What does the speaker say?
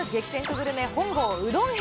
グルメ本郷うどん編。